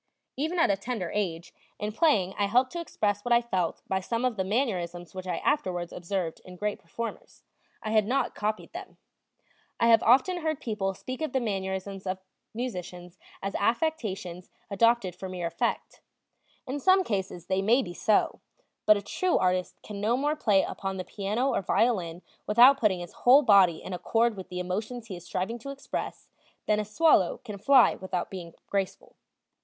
Even at a tender age, in playing I helped to express what I felt by some of the mannerisms which I afterwards observed in great performers; I had not copied them. I have often heard people speak of the mannerisms of musicians as affectations adopted for mere effect; in some cases they may be so; but a true artist can no more play upon the piano or violin without putting his whole body in accord with the emotions he is striving to express than a swallow can fly without being graceful.